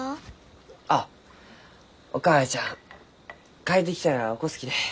あっお母ちゃん帰ってきたら起こすきね。